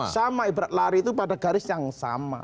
sama ibarat lari itu pada garis yang sama